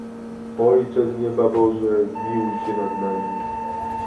"Ojcze z nieba Boże, zmiłuj się nad nami!..."